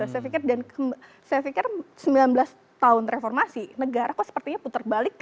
saya pikir sembilan belas tahun reformasi negara kok sepertinya putar balik